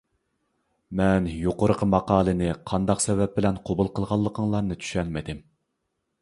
مەن يۇقىرىقى ماقالىنى قانداق سەۋەب بىلەن قوبۇل قىلغانلىقىڭلارنى چۈشەنمىدىم.